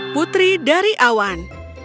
putri dari awan